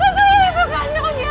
masukin ibu kandungnya